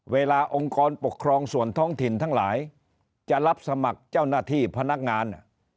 องค์กรปกครองส่วนท้องถิ่นทั้งหลายจะรับสมัครเจ้าหน้าที่พนักงาน